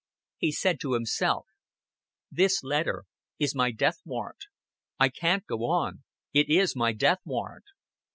He said to himself, "This letter is my death warrant. I can't go on. It is my death warrant."